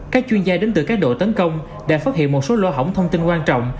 các chuyên gia đến từ các đội tấn công đã phát hiện một số lô hổng thông tin quan trọng